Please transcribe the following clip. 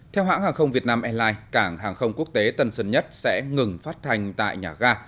theo hãng hàng không việt nam airlines cảng hàng không quốc tế tân sơn nhất sẽ ngừng phát thanh tại nhà ga